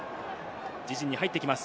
自陣に入ってきます。